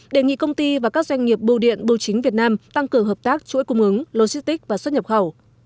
đề nghị công ty và các doanh nghiệp bưu điện bưu chính việt nam tăng cường hợp tác chuỗi cung ứng logistics và xuất nhập khẩu